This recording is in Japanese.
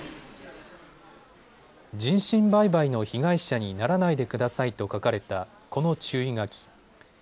人身売買の被害者にならないでくださいと書かれたこの注意書き。